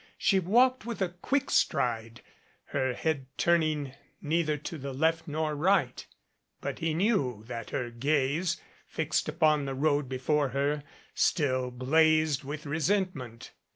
She walked with a quick stride, her head turning neither to the left nor right, but he knew that her gaze, fixed upon the road before her, still blazed with resentment.